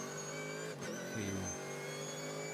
perriun